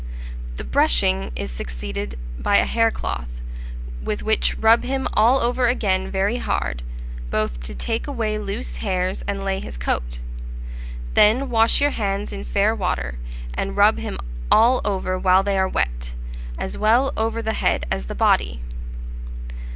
The brushing is succeeded by a hair cloth, with which rub him all over again very hard, both to take away loose hairs and lay his coat; then wash your hands in fair water, and rub him all over while they are wet, as well over the head as the body.